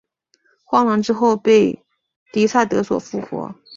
荒狼之后被狄萨德所复活。